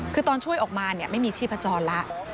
คือตอนช่วยออกมาไม่มีชีพจรแล้ว